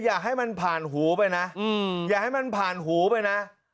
อย่าให้มันผ่านหูไปนะ